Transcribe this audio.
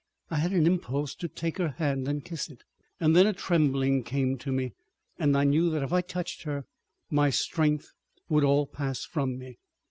I had an impulse to take her hand and kiss it, and then a trembling came to me, and I knew that if I touched her, my strength would all pass from me.